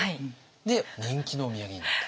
で人気のお土産になったと。